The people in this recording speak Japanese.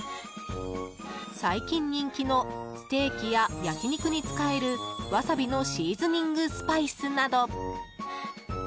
最近人気のステーキや焼き肉に使えるワサビのシーズニングスパイスなど。